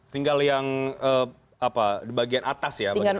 tinggal yang apa di bagian atas ya